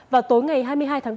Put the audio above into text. vào tối ngày hai mươi hai tháng bốn